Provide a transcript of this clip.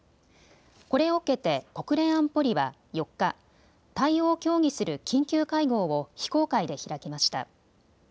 これを受けて国連安保理は４日、対応を協議する緊急会合を非公開で開きました。